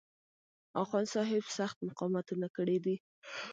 اخوندصاحب سخت مقاومتونه کړي دي.